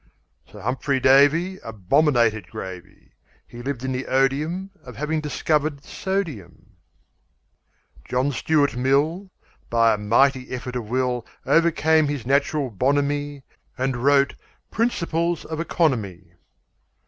Sir Humphrey Davy Abominated gravy. He lived in the odium Of having discovered sodium. John Stuart Mill, By a mighty effort of will, Overcame his natural bonhomie And wrote 'Principles of Economy.'